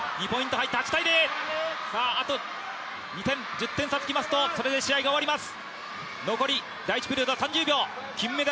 １０点差がつきますと、それで試合が終わります。